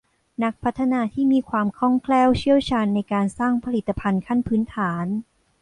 นักพัฒนาที่มีความคล่องแคล่วเชี่ยวชาญในการสร้างผลิตภัณฑ์ขั้นพื้นฐาน